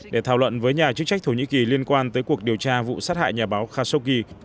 để thảo luận với nhà chức trách thổ nhĩ kỳ liên quan tới cuộc điều tra vụ sát hại nhà báo khashoggi